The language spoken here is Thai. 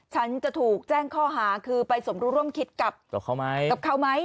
ฉันจะถูกแจ้งข้อหาคือไปสมรู้ร่วมคิดกับเขาไหม